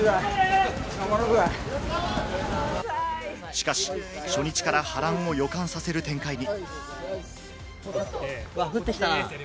しかし、初日から波乱を予感させる展開に。